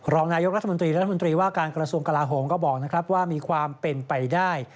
รองนายกรัฐมนตรีรัฐมนตรีว่าการกระทรวงกลาโหมก็บอกนะครับว่ามีความเป็นไปได้